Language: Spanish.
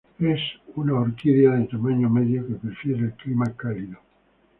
Es una orquídea de tamaño medio que prefiere el clima cálido.